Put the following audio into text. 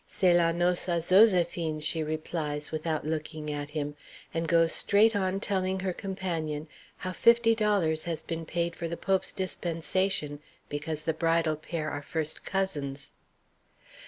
"C'est la noce à Zoséphine," she replies, without looking at him, and goes straight on telling her companion how fifty dollars has been paid for the Pope's dispensation, because the bridal pair are first cousins.